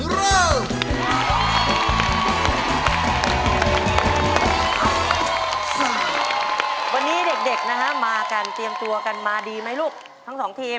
วันนี้เด็กนะฮะมากันเตรียมตัวกันมาดีไหมลูกทั้งสองทีม